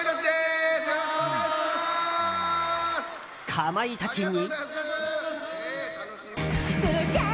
かまいたちに。